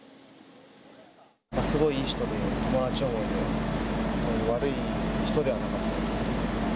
すごいいい人で、友達思いで、そういう悪い人ではなかったです。